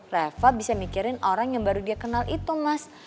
reva bisa mikirin orang yang baru dia kenal itu mas